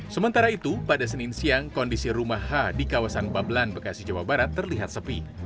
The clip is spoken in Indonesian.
sementara itu pada senin siang kondisi rumah h di kawasan babelan bekasi jawa barat terlihat sepi